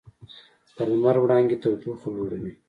د لمر وړانګې تودوخه لوړوي.